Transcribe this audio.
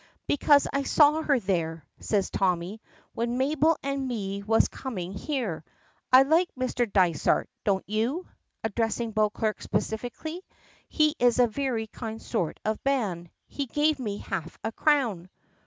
"Because I saw her there," says Tommy, "when Mabel and me was coming here. I like Mr. Dysart, don't you?" addressing Beauclerk specially. "He is a very kind sort of man. He gave me half a crown."